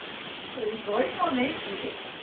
すごいため息。